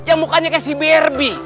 yang mukanya kayak si brby